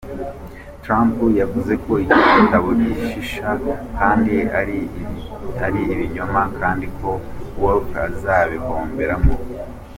Trump yavuze ko icyo gitabo "gishisha kandi ari icy’ ibinyoma" kandi ko Wolff azabihomberamo.